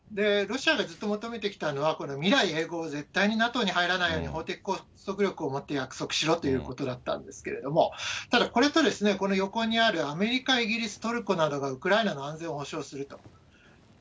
ロシアがずっと求めてきたのは、未来永ごう、絶対にＮＡＴＯに入らないよう法的拘束力をもって約束しろということだったんですけど、ただこれと、この横にあるアメリカ、イギリス、トルコなどがウクライナの安全を保障すると。